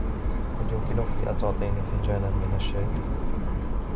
هل يمكنك أن تعطيني فنجانا من الشاي ؟